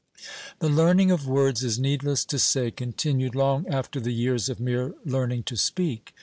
The learning of words is, needless to say, continued long after the years of mere learning to speak.